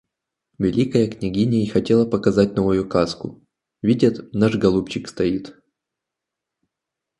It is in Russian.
Великая княгиня и хотела показать новую каску... Видят, наш голубчик стоит.